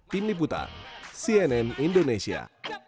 tim liputan cnn indonesia